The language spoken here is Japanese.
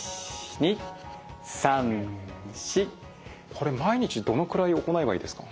これ毎日どのくらい行えばいいですか？